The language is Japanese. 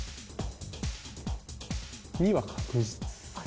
２は確実。